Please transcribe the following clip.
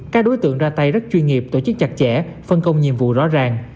các đối tượng ra tay rất chuyên nghiệp tổ chức chặt chẽ phân công nhiệm vụ rõ ràng